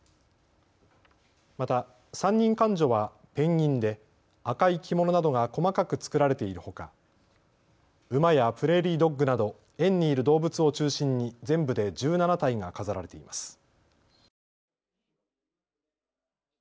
また三人官女はペンギンで赤い着物などが細かく作られているほかウマやプレーリードッグなど園にいる動物を中心に全部で１７体が飾られています。